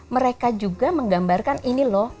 mereka juga menggambarkan ini loh